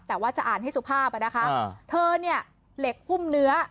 แต่ว่าจะอ่านให้สุภาพอ่ะนะคะเธอเนี่ยเหล็กหุ้มเนื้อ